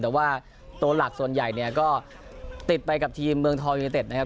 แต่ว่าตัวหลักส่วนใหญ่เนี่ยก็ติดไปกับทีมเมืองทองยูนิเต็ดนะครับ